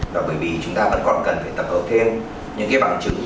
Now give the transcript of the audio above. và bởi vì chúng ta vẫn còn cần phải tập hợp thêm những cái bằng chứng